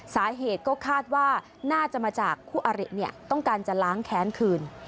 สาเหตุก็คาดว่าน่าจะมาจากคู่อริต้องการจะล้างแค้นคืน